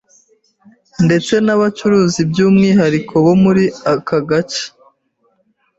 ndetse n’abacuruzi by’umwihariko bo muri aka gace